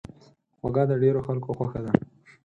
خوږه د ډېرو خلکو خوښه ده.